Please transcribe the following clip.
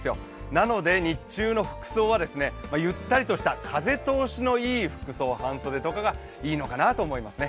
なので、日中の服装はゆったりとした風通しのいい服装、半袖とかがいいのかなと思いますね。